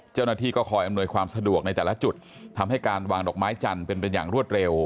เจ้าหน้าที่ก็คอยอำนวยความสะดวกในแต่ละจุดทำให้การวางดอกไม้จันทร์เป็นเป็นอย่างรวดเร็ว